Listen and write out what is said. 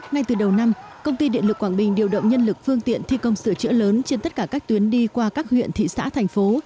ngay từ đầu năm công ty điện lực quảng bình điều động nhân lực phương tiện thi công sửa chữa lớn trên tất cả các tuyến đi qua các huyện thị xã thành phố